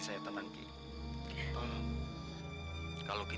saya mengidespinkan anda